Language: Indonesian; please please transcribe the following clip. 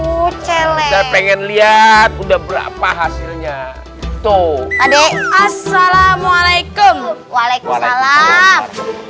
tuh pengen lihat udah berapa hasilnya tuh aduh assalamualaikum waalaikumsalam